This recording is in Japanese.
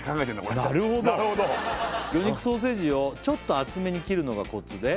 これなるほど「魚肉ソーセージをちょっと厚めに切るのがコツで」